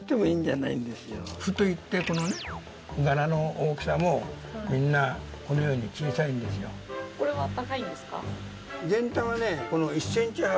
腑といってこのね柄の大きさもみんなこのように小さいんですよ。えっ！？